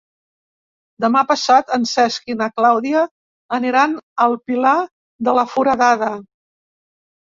Demà passat en Cesc i na Clàudia aniran al Pilar de la Foradada.